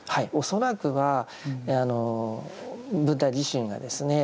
恐らくはブッダ自身がですね